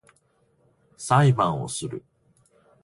裁判をする